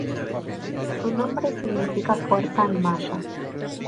Su nombre significa fuerza en Maya.